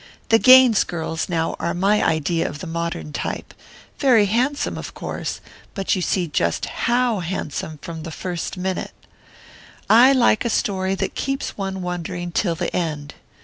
The Gaines girls, now, are my idea of the modern type; very handsome, of course, but you see just how handsome the first minute. I like a story that keeps one wondering till the end.